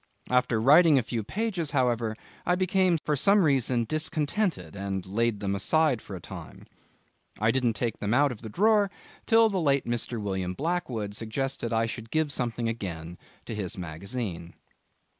After writing a few pages, however, I became for some reason discontented and I laid them aside for a time. I didn't take them out of the drawer till the late Mr. William Blackwood suggested I should give something again to his magazine.